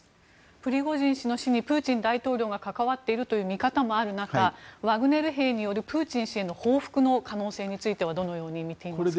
プリゴジン氏の死にプーチン大統領が関わっているという見方もある中、ワグネル兵によるプーチン氏への報復の可能性についてはどのように見ていますか。